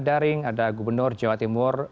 daring ada gubernur jawa timur